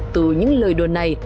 từ những lời đồn này